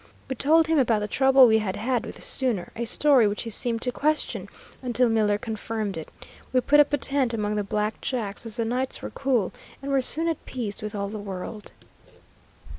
We told him about the trouble we had had with the sooner, a story which he seemed to question, until Miller confirmed it. We put up a tent among the black jacks, as the nights were cool, and were soon at peace with all the world.